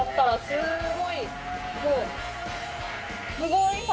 すごい！